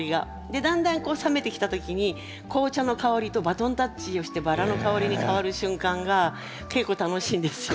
でだんだんこう冷めてきた時に紅茶の香りとバトンタッチをしてバラの香りに変わる瞬間が結構楽しいんですよ。